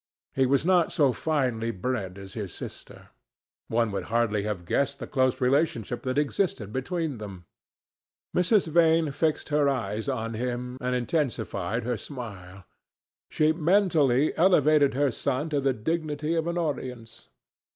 He was not so finely bred as his sister. One would hardly have guessed the close relationship that existed between them. Mrs. Vane fixed her eyes on him and intensified her smile. She mentally elevated her son to the dignity of an audience.